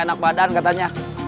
ladang ladang ladang